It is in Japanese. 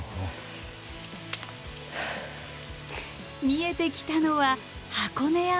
見えてきたのは箱根山。